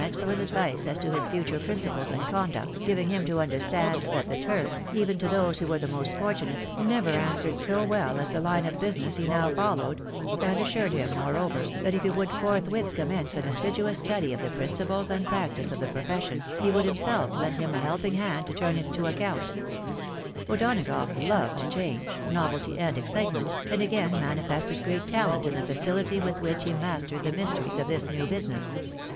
excellent advice as to his future principles and conduct, giving him to understand that the turf, even to those who were the most fortunate, never answered so well as the line of business ,> he now followed ; and assured him, moreover, that if he would ' forthwith commence an assiduous study of the principles and practice of the profession, he would himself lend him a help ing hand to turn it to account O'Donagough loved change, novelty, and excitement, and again manifested great talent in the facility with which he mastered the mysteries of this new business.